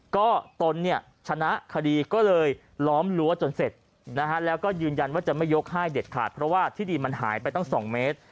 ก็ตนเนี่ยชนะคดีก็เลยล้อมรั้วจนเสร็จนะฮะแล้วก็ยืนยันว่าจะไม่ยกให้เด็ดขาดเพราะว่าที่ดินมันหายไปตั้ง๒เมตร